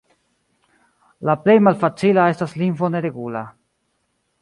La plej malfacila estas lingvo neregula.